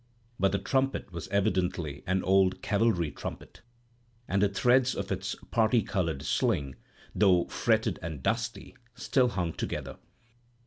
But the trumpet was evidently an old cavalry trumpet, and the threads of its party colored sling, though fretted and dusty, still hung together.